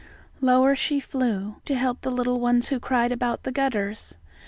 "] Lower she flew to help the little ones who cried about the gutters.